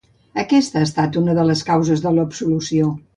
Aquesta ha estat una de les causes de l’absolució.